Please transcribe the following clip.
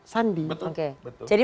sandi oke jadi